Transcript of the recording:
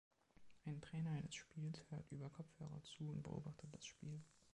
Ein Trainer eines Spiels hört über Kopfhörer zu und beobachtet das Spiel.